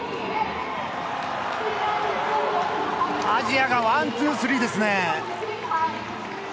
アジアがワン、ツー、スリーですね。